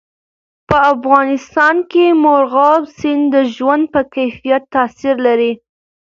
په افغانستان کې مورغاب سیند د ژوند په کیفیت تاثیر کوي.